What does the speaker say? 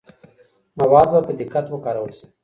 مواد به په دقت وکارول سي.